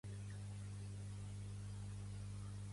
Què en pensa de la compra del Museu del Gas de Sabadell?